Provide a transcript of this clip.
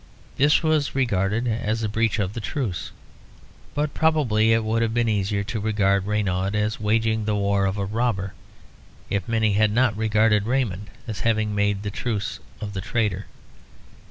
This was regarded as a breach of the truce; but probably it would have been easier to regard Renaud as waging the war of a robber, if many had not regarded Raymond as having made the truce of a traitor.